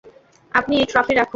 আপনি এই ট্রফি রাখুন!